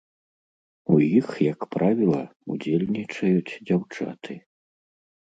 У іх, як правіла, удзельнічаюць дзяўчаты.